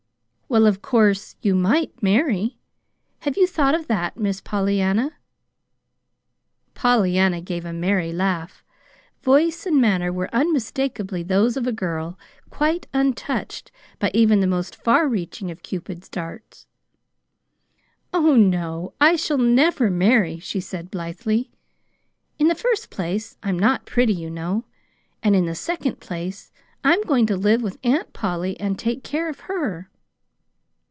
"Well, of course you might marry. Have you thought of that Miss Pollyanna?" Pollyanna gave a merry laugh. Voice and manner were unmistakably those of a girl quite untouched by even the most far reaching of Cupid's darts. "Oh, no, I shall never marry," she said blithely. "In the first place I'm not pretty, you know; and in the second place, I'm going to live with Aunt Polly and take care of her."